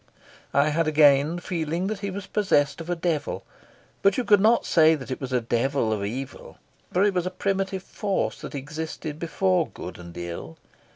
I had again the feeling that he was possessed of a devil; but you could not say that it was a devil of evil, for it was a primitive force that existed before good and ill.